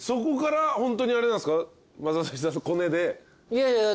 いやいや。